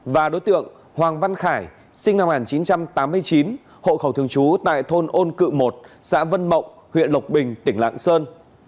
và đối tượng hoàng văn khải sinh năm một nghìn chín trăm tám mươi chín hộ khẩu thường trú tại thôn ôn cự một xã vân mộng huyện lộc bình tỉnh lạng sơn